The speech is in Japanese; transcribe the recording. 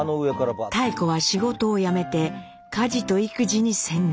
妙子は仕事を辞めて家事と育児に専念。